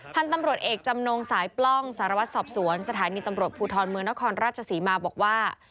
พันธุ์ตำรวจเอกจำนงสายปล้องสารวัตรสอบสวนสถานีตำรวจภูทรเมืองนครราชศรีมาบอกว่า